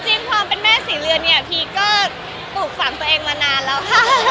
ความเป็นแม่ศรีเรือนเนี่ยพีคก็ปลูกฝังตัวเองมานานแล้วค่ะ